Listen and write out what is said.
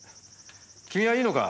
君はいいのか？